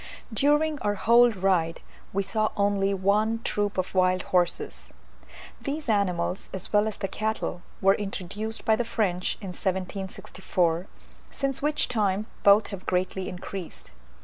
During our whole ride we saw only one troop of wild horses. These animals, as well as the cattle, were introduced by the French in 1764, since which time both have greatly increased.